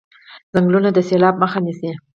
ځنګلونه د سیلاب مخه نیسي.